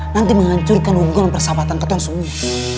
nanti menghancurkan hubungan persahabatan ketua tua